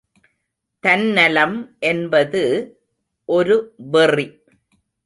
தன்னலம் என்பது ஒரு வெறி.